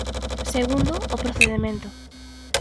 Segundo, o procedemento.